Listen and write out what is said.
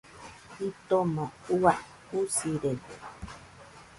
Jitoma ua, usirede.